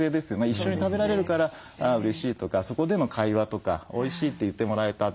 一緒に食べられるからうれしいとかそこでの会話とか「おいしい」って言ってもらえたってね。